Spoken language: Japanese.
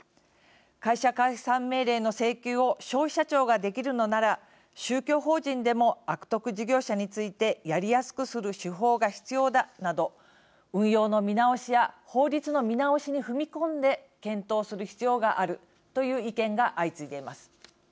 会社解散命令の請求を消費者庁が、できるのなら宗教法人でも悪徳事業者についてやりやすくする手法が必要だなど運用の見直しや法律の見直しに踏み込んで検討する必要があるという意見が相次いでいます。